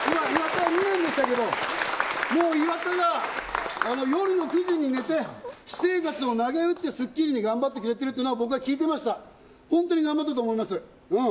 ２年でしたけど、もう岩田が夜の９時に寝て、私生活をなげうって『スッキリ』で頑張ってくれてるのを僕は聞いてましたと本当に頑張ったと思います。